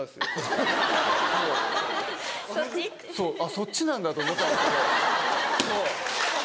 そっちなんだと思ったんですけどそう。